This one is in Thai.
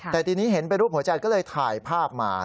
แต่ทีนี้เห็นเป็นรูปหัวใจก็เลยถ่ายภาพมา